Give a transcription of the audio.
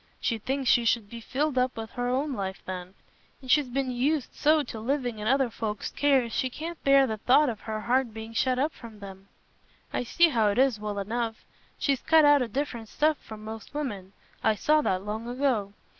She thinks she should be filled up with her own life then, and she's been used so to living in other folks's cares, she can't bear the thought of her heart being shut up from 'em. I see how it is, well enough. She's cut out o' different stuff from most women: I saw that long ago.